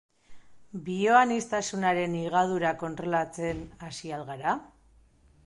Bioaniztasunaren higadura kontrolatzen hasi al gara?